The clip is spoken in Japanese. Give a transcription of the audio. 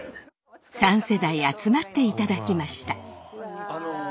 ３世代集まっていただきました。